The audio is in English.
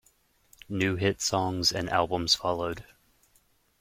New hit songs and albums followed.